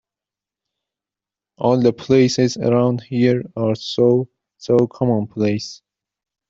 All the places around here are so — so — commonplace.